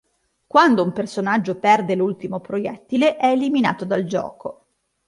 Quando un personaggio perde l'ultimo proiettile è eliminato dal gioco.